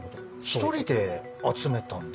１人で集めたんですかね？